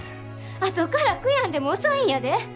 あとから悔やんでも遅いんやで。